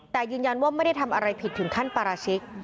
แต่ยืนยันว่าไม่ได้ทำอะไรผิดถึงขั้นปราชิก